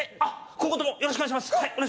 今後ともよろしくお願いします